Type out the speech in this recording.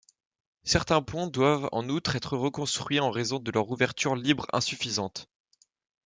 Certains ponts doivent en outre être reconstruit en raison de leur ouverture libre insuffisante.